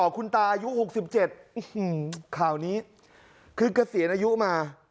คุณตาอายุหกสิบเจ็ดข่าวนี้ขึ้นเกษียณอายุมา